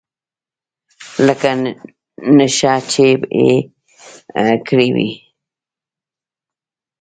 لکه نېشه چې يې کړې وي.